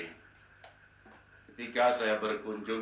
ketika saya berkunjung